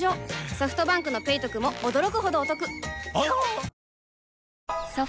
ソフトバンクの「ペイトク」も驚くほどおトクわぁ！